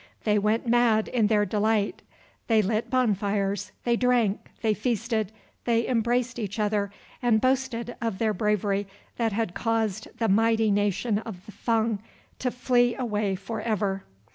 They went mad in their delight; they lit bonfires, they drank, they feasted, they embraced each other and boasted of their bravery that had caused the mighty nation of the Fung to flee away for ever.